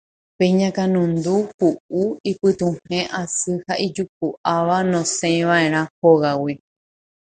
Pe iñakãnundu, hu'u, ipytuhẽ asy ha ijuku'áva nosẽiva'erã hógagui